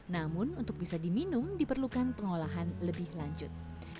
namun untuk bisa diminum diperlukan pengolahan lebih lanjut